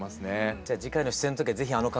じゃあ次回の出演の時は是非あの格好で。